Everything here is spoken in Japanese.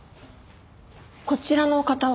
こちらの方は？